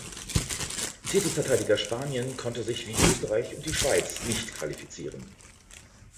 Titelverteidiger Spanien konnte sich wie Österreich und die Schweiz nicht qualifizieren.